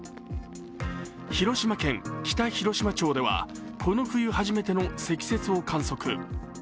広島県北広島町ではこの冬初めての積雪を観測。